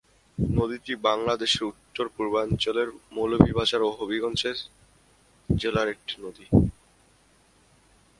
নদীটি বাংলাদেশের উত্তর-পূর্বাঞ্চলের মৌলভীবাজার ও হবিগঞ্জ জেলার একটি নদী।